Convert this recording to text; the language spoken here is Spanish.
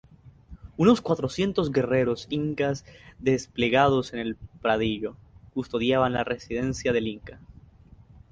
Unos cuatrocientos guerreros incas, desplegados en el pradillo, custodiaban la residencia del Inca.